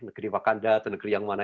negeri wakanda atau negeri yang mana